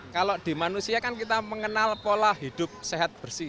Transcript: kalau di manusia kan kita mengenal pola hidup sehat bersih